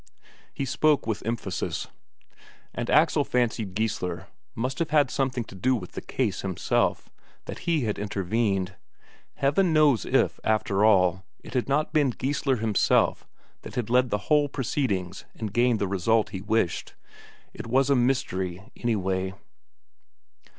He spoke with emphasis, and Axel fancied Geissler must have had something to do with the case himself; that he had intervened. Heaven knows if, after all, it had not been Geissler himself that had led the whole proceedings and gained the result he wished. It was a mystery, anyway.